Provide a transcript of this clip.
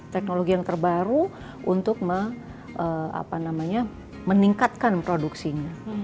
teknologi yang terbaru untuk meningkatkan produksinya